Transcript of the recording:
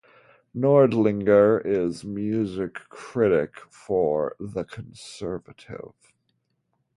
Nordlinger is music critic for "The Conservative".